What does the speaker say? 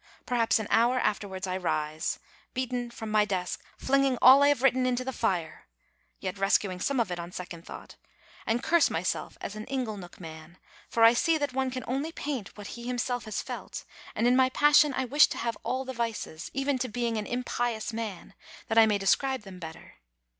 Perhaps an hour afterwards I rise, beaten, from my desk, flinging all I have written into the fire (yet rescuing some of it on second thought), and curse myself as an ingle nook man, for I see that one can only paint what he himself has felt, and in my passion I wish to have all the vices, even to being an impious man, that I may describe them better.